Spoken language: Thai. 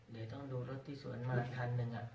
เดี๋ยวต้องดูรถที่สวนมาทันนึงอ่ะ